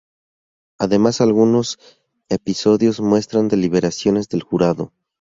Además, algunos episodios muestran deliberaciones del jurado.